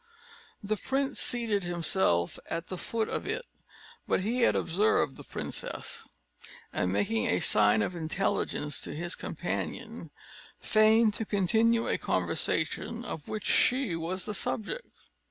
The prince seated himself at the foot of it, but he had observed the princess; and, making a sign of intelligence to his companion, feigned to continue a conversation of which she was the subject.